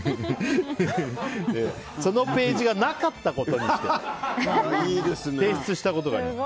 そのページがなかったことにして提出したことがあります。